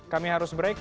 kami harus break